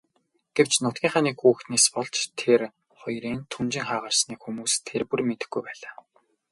Гэвч нутгийнхаа нэг хүүхнээс болж тэр хоёрын түнжин хагарсныг хүмүүс тэр бүр мэдэхгүй байлаа.